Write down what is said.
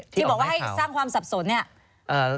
ที่บอกว่าให้สร้างความสับสนเนี่ย